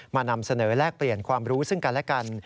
นำเสนอแลกเปลี่ยนความรู้ซึ่งกันและกัน